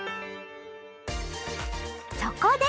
そこで！